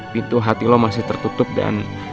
pintu hati lo masih tertutup dan